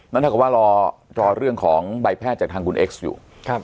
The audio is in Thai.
นั่นถ้าเกิดว่ารอรอเรื่องของใบแพทย์จากทางคุณเอ็กซอยู่ครับ